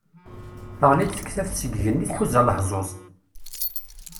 Teɣli-d tektabt seg igenni, tḥuza lehẓuz.